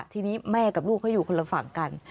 ทีนี้แม่กับลูกเขาอยู่คนละฝั่งกัน